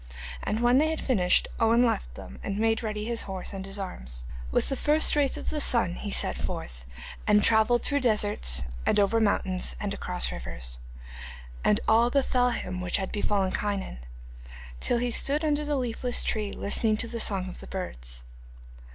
And when they had finished, Owen left them, and made ready his horse and his arms. With the first rays of the sun he set forth, and travelled through deserts and over mountains and across rivers, and all befell him which had befallen Kynon, till he stood under the leafless tree listening to the song of the birds.